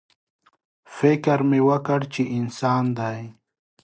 _فکر مې وکړ چې انسان دی.